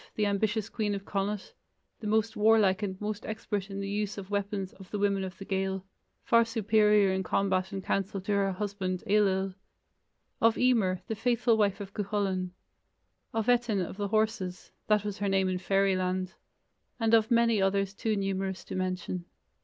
the ambitious queen of Connacht, the most warlike and most expert in the use of weapons of the women of the Gael far superior in combat and counsel to her husband, Ailill; of Emer, the faithful wife of Cuchulainn; of Etain of the Horses (that was her name in Fairyland); and of many others too numerous to mention.